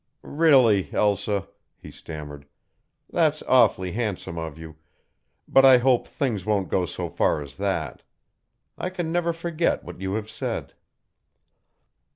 "Really, Elsa," he stammered, "that's awfully handsome of you, but I hope things won't go so far as that. I can never forget what you have said."